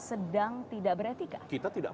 sedang tidak beretika kita tidak